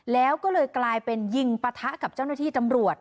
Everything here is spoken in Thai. แล้วก็เลยกลายเป็นยิงปะทะกับเจ้าหน้าที่ตำรวจ